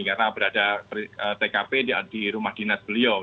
karena berada tkp di rumah dinas beliau